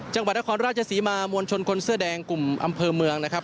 จังหวัดนครราชศรีมามวลชนคนเสื้อแดงกลุ่มอำเภอเมืองนะครับ